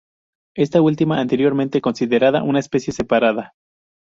Esta última anteriormente considerada una especie separada.